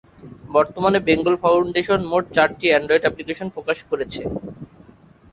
বর্তমানে বেঙ্গল ফাউন্ডেশন মোট চারটি অ্যান্ড্রয়েড অ্যাপ্লিকেশন প্রকাশ করেছে।